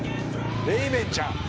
レイベンちゃん